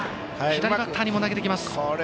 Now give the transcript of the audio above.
左バッターにも投げてきます。